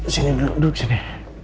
sini duduk duduk sini